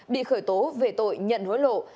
bị khởi tố về tội nhận hối lộ